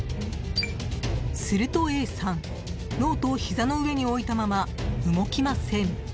するとＡさん、ノートをひざの上に置いたまま動きません。